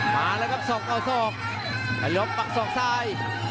มาแล้วครับศอกเอาศอกพยมปักศอกซ้าย